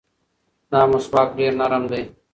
دا مسواک ډېر نرم دی.